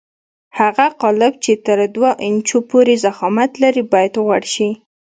هغه قالب چې تر دوه انچو پورې ضخامت لري باید غوړ شي.